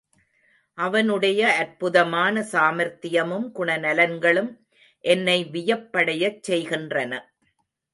அவனுடைய அற்புதமான சாமர்த்தியமும் குணநலன்களும் என்னை வியப்படையச் செய்கின்றன.